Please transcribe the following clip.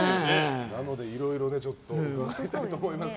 なので、いろいろ伺いたいと思います。